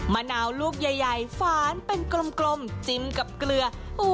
มะนาวลูกใหญ่ฝานเป็นกลมจิ้มกับเกลือ